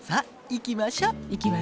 行きましょ。